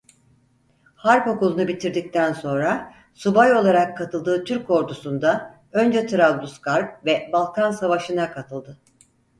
Harp okulunu bitirdikten sonra subay olarak katıldığı Türk Ordusu'nda önce Trablusgarp ve Balkan Savaşı'na katıldı.